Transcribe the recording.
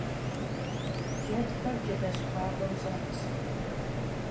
Cedxer cedeş xuabem ş'etş.